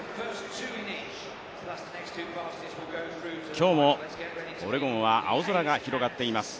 今日もオレゴンは青空が広がっています。